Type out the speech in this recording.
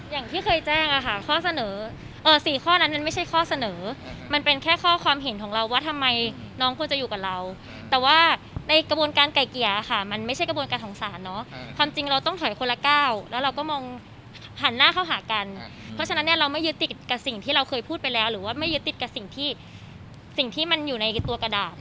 อย่างที่เคยแจ้งอะค่ะข้อเสนอเออสี่ข้อนั้นมันไม่ใช่ข้อเสนอมันเป็นแค่ข้อความเห็นของเราว่าทำไมน้องควรจะอยู่กับเราแต่ว่าในกระบวนการไก่เกียร์อะค่ะมันไม่ใช่กระบวนการทองศาลเนาะความจริงเราต้องถอยคนละก้าวแล้วเราก็มองหันหน้าเข้าหากันเพราะฉะนั้นเนี่ยเราไม่ยืดติดกับสิ่งที่เราเคยพูดไปแล้วหรือว่